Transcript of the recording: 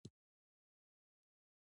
افغانستان د دښتو د ترویج پروګرامونه لري.